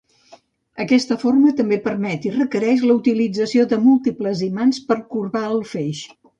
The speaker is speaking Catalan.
Aquesta forma també permet i requereix la utilització de múltiples imants per corbar el feix.